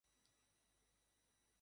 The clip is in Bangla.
জমিতে নাইট্রোজেন যোগ করে এ সবজির চাষ।